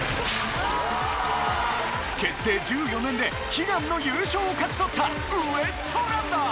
結成１４年で悲願の優勝を勝ち取ったウエストランド！